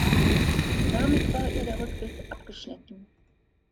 Damit war ihr der Rückweg abgeschnitten.